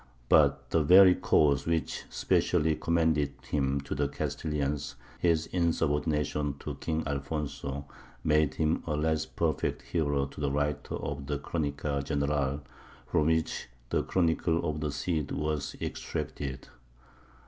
But the very cause which specially commended him to the Castilians, his insubordination to King Alfonso, made him a less perfect hero to the writer of the Cronica General, from which the Chronicle of the Cid was extracted.